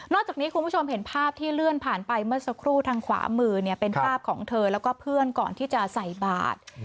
จากนี้คุณผู้ชมเห็นภาพที่เลื่อนผ่านไปเมื่อสักครู่ทางขวามือเป็นภาพของเธอแล้วก็เพื่อนก่อนที่จะใส่บาท